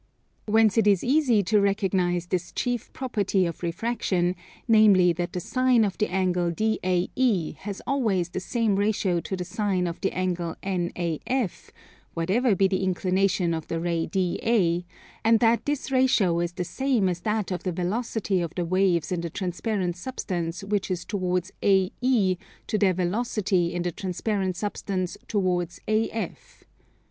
Whence it is easy to recognize this chief property of refraction, namely that the Sine of the angle DAE has always the same ratio to the Sine of the angle NAF, whatever be the inclination of the ray DA: and that this ratio is the same as that of the velocity of the waves in the transparent substance which is towards AE to their velocity in the transparent substance towards AF.